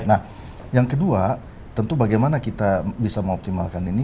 nah yang kedua tentu bagaimana kita bisa mengoptimalkan ini